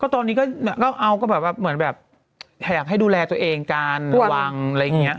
ตอนนี้ก็เอาก็แบบอยากให้ดูแลตัวเองกันหวังอะไรอย่างนี้